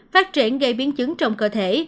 phát triển gây biến chứng trong cơ thể